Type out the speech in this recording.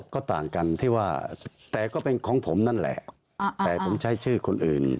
ก็ต่างกันที่ว่าแต่ก็เป็นของผมนั่นแหละแต่ผมใช้ชื่อคนอื่น